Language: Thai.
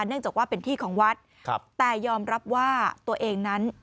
เนื่องจากว่าเป็นที่ของวัดแต่ยอมรับว่าตัวเองนั้น